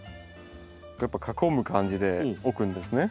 やっぱ囲む感じで置くんですね。